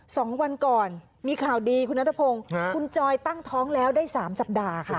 สองวันก่อนมีข่าวดีคุณนัทพงศ์คุณจอยตั้งท้องแล้วได้สามสัปดาห์ค่ะ